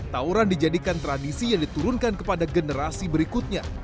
tauran dijadikan tradisi yang diturunkan kepada generasi berikutnya